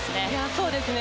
そうですね